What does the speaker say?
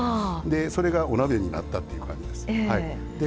それがお鍋になったっていう感じです。